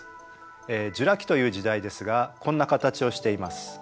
ジュラ紀という時代ですがこんな形をしています。